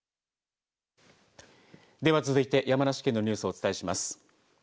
では続いて、山梨県のニュースをお伝えします。